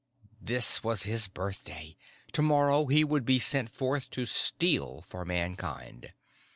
This was his birthday. Tomorrow, he would be sent forth to Steal for Mankind.